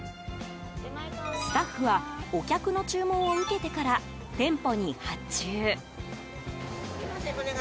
スタッフはお客の注文を受けてから店舗に発注。